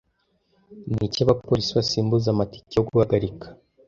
niki abapolisi basimbuza amatike yo guhagarika